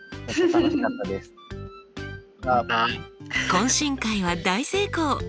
懇親会は大成功！